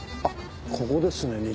あっここですね。